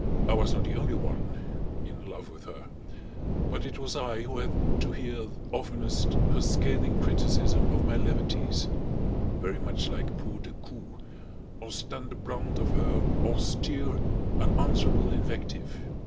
I was not the only one in love with her; but it was I who had to hear oftenest her scathing criticism of my levities very much like poor Decoud or stand the brunt of her austere, unanswerable invective.